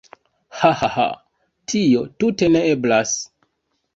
Hahaha. Tio tute ne eblas